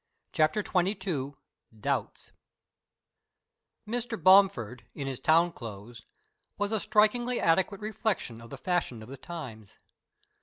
CHAPTER XXII DOUBTS Mr. Bomford in his town clothes was a strikingly adequate reflection of the fashion of the times.